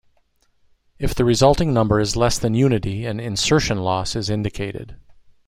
If the resulting number is less than unity, an "insertion loss" is indicated.